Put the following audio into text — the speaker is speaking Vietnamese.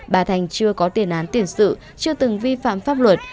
bà thành chưa có tiền án tiền sự chưa từng vi phạm pháp luật